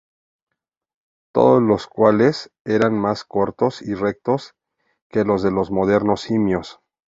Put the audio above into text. Todos los cuales eran más cortos y rectos que los de los modernos simios.